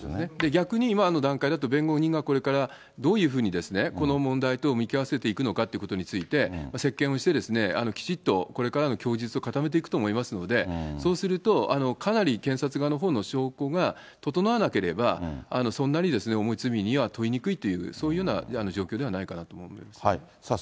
逆に今の段階だと、弁護人はこれからどういうふうに、この問題と向き合わせていくのかということについて、接見をして、きちっとこれからの供述を固めていくと思いますので、そうすると、かなり検察側のほうの証拠が整わなければ、そんなに重い罪には問いにくいっていう、そういうような状況ではないかなと思うんですね。